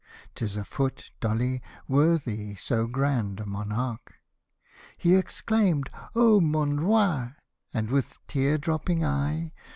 'Tis a foot, Dolly, worthy so Grand a Monarque)^ He exclaimed, " Oh, mon Roi !" and, with tear dropping eye.